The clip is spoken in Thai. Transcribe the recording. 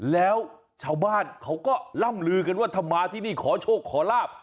แล้วชาวบ้านเขาก็ล่ำลือกันว่าถ้ามาที่นี่ขอโชคขอลาบ